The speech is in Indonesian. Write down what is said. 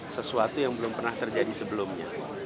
sesuatu yang belum pernah terjadi sebelumnya